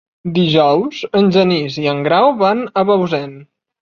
Dijous en Genís i en Grau van a Bausen.